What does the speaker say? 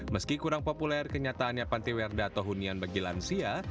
meski kurang populer kenyataannya pantiwerda atau hunian bagi lansia